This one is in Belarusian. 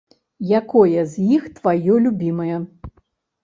Якое з іх тваё любімае?